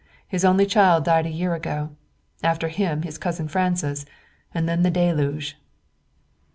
His only child died a year ago after him his cousin Francis, and then the deluge."